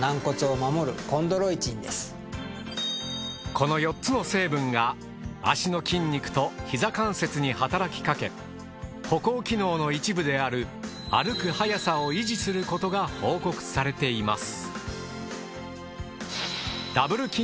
この４つの成分が脚の筋肉とひざ関節に働きかけ歩行機能の一部である歩く速さを維持することが報告されています。